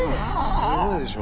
すごいでしょ。